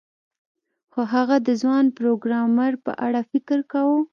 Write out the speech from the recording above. خو هغه د ځوان پروګرامر په اړه فکر کاوه